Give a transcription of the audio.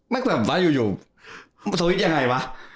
แม่งแบบว่าอยู่สวิตช์ยังไงวะ